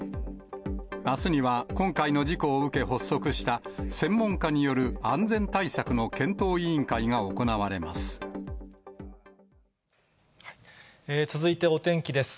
あすには、今回の事故を受け発足した、専門家による安全対策の検討委員会が行われます。